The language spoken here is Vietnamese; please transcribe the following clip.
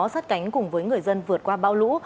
sát cánh cùng với người dân vượt qua bão lũ